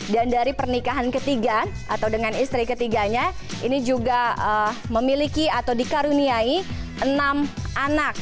dan dari pernikahan ketiga atau dengan istri ketiganya ini juga memiliki atau dikaruniai enam anak